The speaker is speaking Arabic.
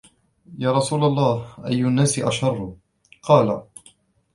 يَا رَسُولَ اللَّهِ أَيُّ النَّاسِ أَشَرُّ ؟ قَالَ